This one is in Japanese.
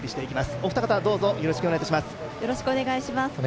お二方、どうぞよろしくお願いします。